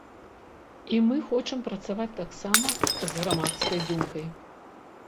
І мы хочам працаваць таксама з грамадскай думкай.